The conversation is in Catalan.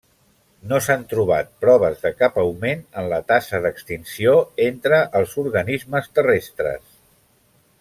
No s'han trobat proves de cap augment en la taxa d'extinció entre els organismes terrestres.